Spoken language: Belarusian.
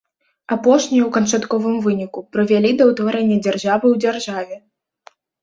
Апошнія, у канчатковым выніку, прывялі да ўтварэння дзяржавы ў дзяржаве.